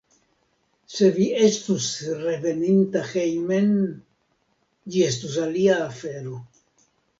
Se vi estus revenanta hejmen, ĝi estus alia afero.